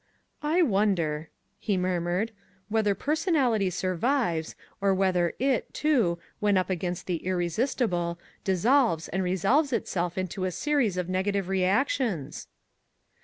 "I wonder," he murmured, "whether personality survives or whether it, too, when up against the irresistible, dissolves and resolves itself into a series of negative reactions?"